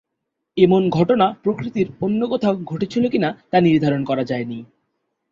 এমন ঘটনা প্রকৃতির অন্য কোথাও ঘটেছিল কিনা তা নির্ধারণ করা যায়নি।